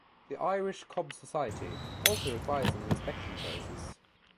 The Irish Cob Society also requires an inspection process.